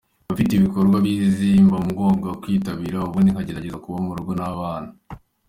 Mba mfite ibikorwa bizwi mba ngomba kwitabira, ubundi nkagerageza kuba mu rugo n’abana.